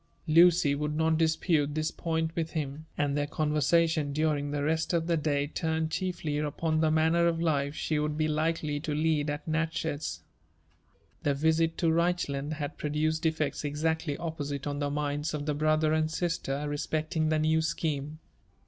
Lucy would not dispute this point with him ; and their conversa tion during the rest of the day turned chiefly upon the manner of life she would be likely to lead at Natchez. The visit to Reichland had produced effects exactly opposite on the minds of the brother and sister respecting the new scheme.